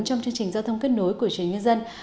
trong chương trình giao thông kết nối của truyền nhân dân